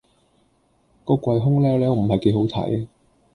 個櫃空豂豂唔係幾好睇